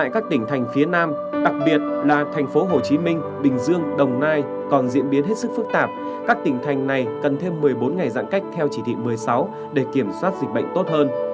các tỉnh thành phía nam đặc biệt là thành phố hồ chí minh bình dương đồng nai còn diễn biến hết sức phức tạp các tỉnh thành này cần thêm một mươi bốn ngày giãn cách theo chỉ thị một mươi sáu để kiểm soát dịch bệnh tốt hơn